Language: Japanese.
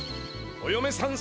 およめさん